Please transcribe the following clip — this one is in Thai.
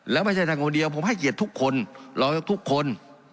แล้วไม่ใช่ท่านคนเดียวผมให้เกียรติทุกคนรองยกทุกคน